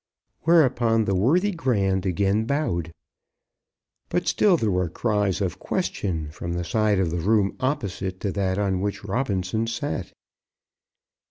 '" Whereupon the worthy Grand again bowed. But still there were cries of question from the side of the room opposite to that on which Robinson sat.